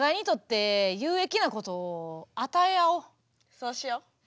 そうしよう。